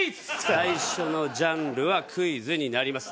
最初のジャンルはクイズになります。